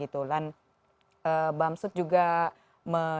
dan bamsud juga mengatakan